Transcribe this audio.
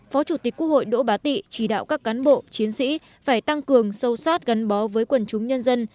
phó chủ tịch quốc hội đỗ bá tị chỉ đạo các cán bộ chiến sĩ phải tăng cường sâu sát gắn bó với quần chúng nhân dân